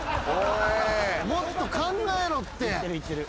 もっと考えろって。